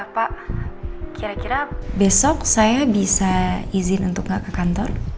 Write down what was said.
pak kira kira besok saya bisa izin untuk gak ke kantor